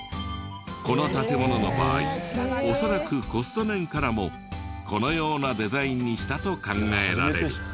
この建物の場合恐らくコスト面からもこのようなデザインにしたと考えられる。